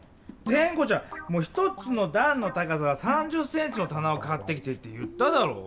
テンコちゃん１つのだんの高さが３０センチのたなを買ってきてって言っただろう？